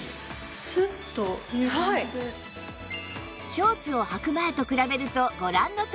ショーツをはく前と比べるとご覧のとおり